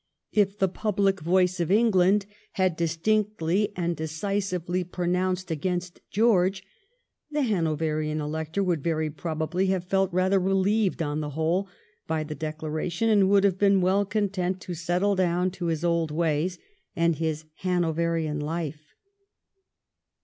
If the public voice of England had distinctly and decisively pronounced against George, the Hanoverian Elector would very probably have felt rather relieved on the whole by the declaration, and would have been weU content to settle down to his old ways and his Hanoverian life.